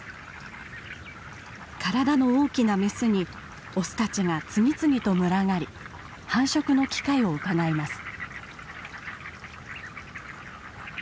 体の大きなメスにオスたちが次々と群がり繁殖の機会をうかがいます。